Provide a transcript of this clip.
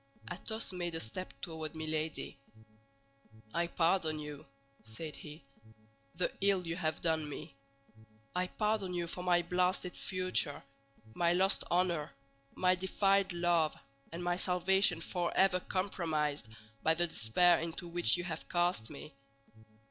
Athos made a step toward Milady. "I pardon you," said he, "the ill you have done me. I pardon you for my blasted future, my lost honor, my defiled love, and my salvation forever compromised by the despair into which you have cast me.